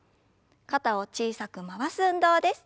肩を小さく回す運動です。